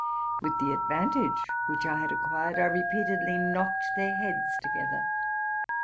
With the advantage which I had acquired, I repeatedly knocked their heads together.